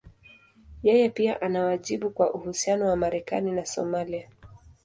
Yeye pia ana wajibu kwa uhusiano wa Marekani na Somalia.